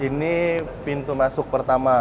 ini pintu masuk pertama